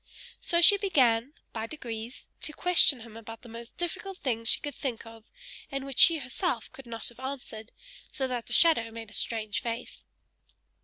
So she began, by degrees, to question him about the most difficult things she could think of, and which she herself could not have answered; so that the shadow made a strange face.